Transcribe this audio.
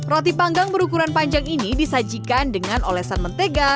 roti panggang berukuran panjang ini disajikan dengan olesan mentega